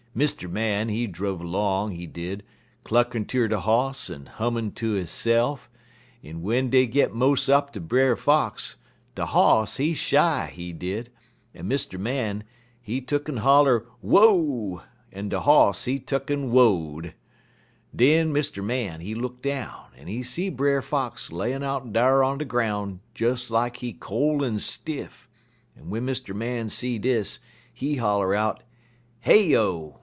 Mr. Man, he druv 'long, he did, cluckin' ter de hoss en hummin' ter hisse'f, en w'en dey git mos' up ter Brer Fox, de hoss, he shy, he did, en Mr. Man, he tuck'n holler Wo! en de hoss, he tuck'n wo'd. Den Mr. Man, he look down, en he see Brer Fox layin' out dar on de groun' des like he cole en stiff, en w'en Mr. Man see dis, he holler out: "'Heyo!